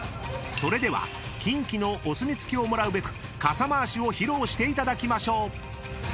［それではキンキのお墨付きをもらうべく傘回しを披露していただきましょう］